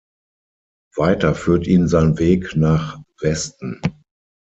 Weiter führt ihn sein Weg nach Westen.